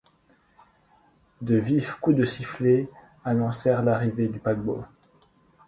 De vifs coups de sifflet annoncèrent l’arrivée du paquebot.